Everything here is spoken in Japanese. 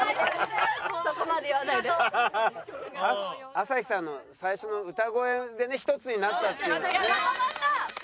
朝日さんの最初の歌声でね一つになったっていうのがね。